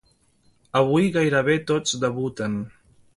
Avui gairebé tots debuten.